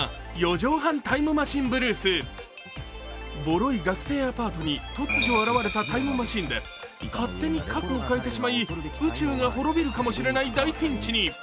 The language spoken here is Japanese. ぼろい学生アパートに突如現れたタイムマシンで勝手に過去を変えてしまい宇宙が滅びるかもしれない大ピンチに。